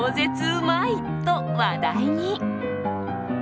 うまいと話題に。